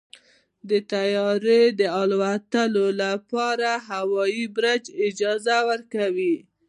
د طیارې د الوت لپاره هوايي برج اجازه ورکوي.